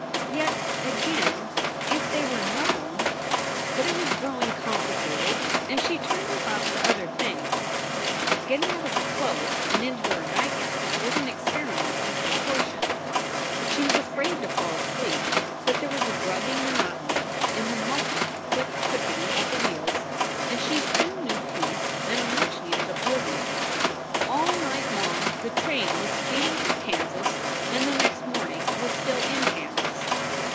Yet again, if they were known But it was growing complicated and she turned her thoughts to other things. Getting out of her clothes and into her nightgown was an experiment in contortion. She was afraid to fall asleep, but there was a drugging monotony in the muffled click clickety of the wheels and she soon knew peace and a much needed oblivion. All night long the train was speeding through Kansas, and the next morning was still in Kansas.